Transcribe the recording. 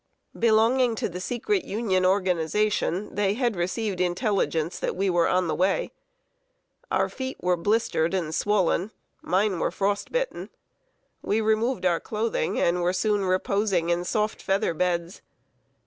Belonging to the secret Union organization, they had received intelligence that we were on the way. Our feet were blistered and swollen; mine were frostbitten. We removed our clothing, and were soon reposing in soft feather beds.